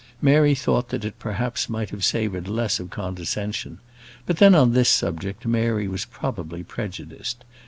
Mary thought that it perhaps might have savoured less of condescension; but then, on this subject, Mary was probably prejudiced.